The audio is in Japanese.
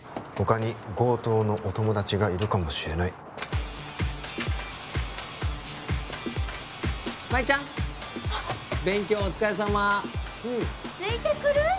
他に強盗のお友達がいるかもしれないマイちゃんあっ勉強お疲れさまついてくる？